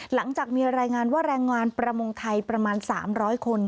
หลังจากมีรายงานว่าแรงงานประมงไทยประมาณ๓๐๐คน